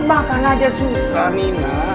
makan aja susah nina